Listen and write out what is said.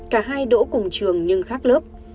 cả hai đỗ cùng trường nhưng khác lớp